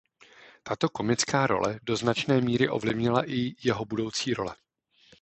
Tato komická role do značné míry ovlivnila i jeho budoucí role.